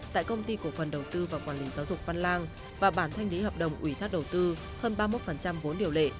tại công ty cổ phần đầu tư và quản lý giáo dục văn lang và bản thanh lý hợp đồng ủy thác đầu tư hơn ba mươi một vốn điều lệ